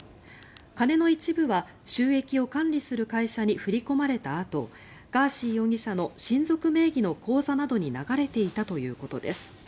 金の一部は収益を管理する会社に振り込まれたあとガーシー容疑者の親族名義の口座などに流れていたということです。